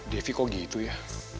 devi kok gitu ya